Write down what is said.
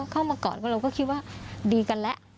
เข้ามากอดเพราะเราก็คิดว่าดีกันแล้ว